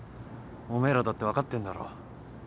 おめえらだって分かってんだろ。